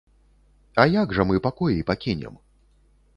А як жа мы пакоі пакінем?